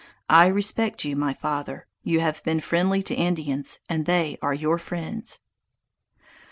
I respect you, my father; you have been friendly to Indians, and they are your friends."